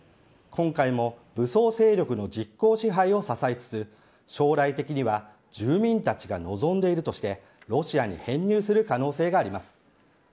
今回も武装勢力の実効支配を支えつつ、将来的には住民たちが望んでいるとして、ロシアに編入する可能性があります。